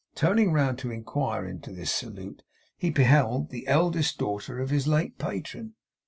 Turning round to inquire into this salute, he beheld the eldest daughter of his late patron.